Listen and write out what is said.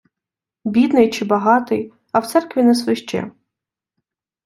Бідний чи богатий, а в церкві не свищи.